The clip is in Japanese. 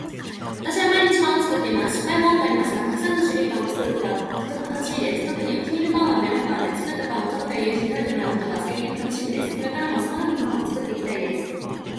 私は毎日パンを作っています。失敗も多くありますがたくさんの種類パンを作ることはとても楽しいです。特にお気に入りのパンは、メロンパンで、作ったパンを家族や友人に食べてもらうことが最近のたのしみです。これからも様々なパンを作っていきたいです。